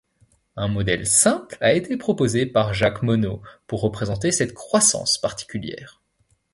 Un modèle simple a été proposé par Jacques Monod pour représenter cette croissance particulière.